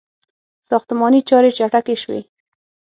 • ساختماني چارې چټکې شوې.